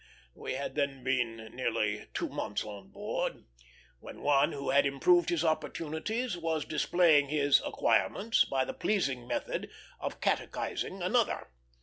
We had then been nearly two months on board, when one who had improved his opportunities was displaying his acquirements by the pleasing method of catechising another.